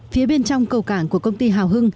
phía bên trong cầu cảng của công ty hào hưng